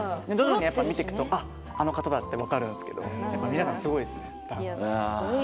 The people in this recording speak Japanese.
見ていくとあの方だって分かるんですけど皆さん、すごいですね。